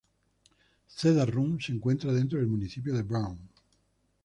Cedar Run se encuentra dentro del municipio de Brown.